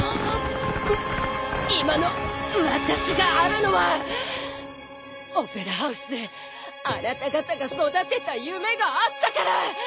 今の私があるのはオペラハウスであなた方が育てた夢があったから。